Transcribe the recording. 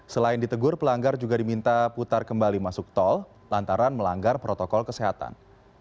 selain ditegur pelanggar juga diminta putar kembali masuk tol lantaran melanggar protokol kesehatan